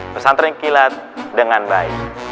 pesantren kilat dengan baik